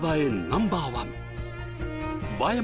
ナンバーワン映え